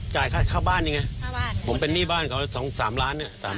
จ่ายค่าบ้านยังไงผมเป็นนี่บ้าน๓ล้านประมาณ๓ล้าน